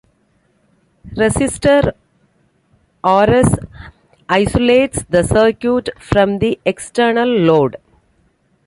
Resistor Rs isolates the circuit from the external load.